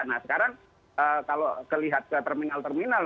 nah sekarang kalau kelihat ke terminal terminal